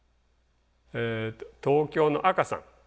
東京のあかさん